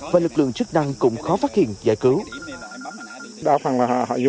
và lực lượng chức năng cũng khó phát hiện giải cứu